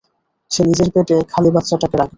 সে নিজের পেটে খালি বাচ্চাটাকে রাখবে।